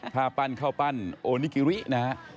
ผ้าปั้นข้าวปั้นโอนิกิรินะฮะ